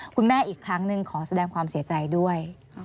อีกครั้งหนึ่งขอแสดงความเสียใจด้วย